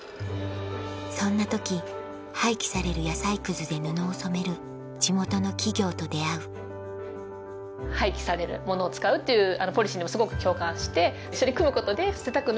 そんな時廃棄される野菜くずで布を染める地元の企業と出会う廃棄されるものを使うっていうポリシーにもすごく共感して一緒に組むことで。